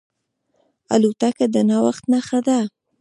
الوتکه د نوښت نښه ده.